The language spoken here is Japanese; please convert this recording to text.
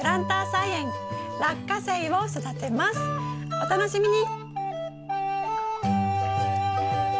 お楽しみに！